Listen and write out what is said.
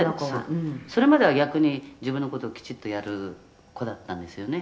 「それまでは逆に自分の事をきちっとやる子だったんですよね」